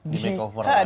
di makeover lah